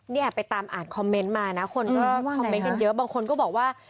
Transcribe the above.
อ๋อนี่อาจไปตามอ่านคอมเมนต์มานะกว่าบ้างคนก็บอกว่า